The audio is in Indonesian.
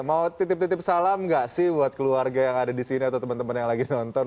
mau titip titip salam gak sih buat keluarga yang ada disini atau temen temen yang lagi nonton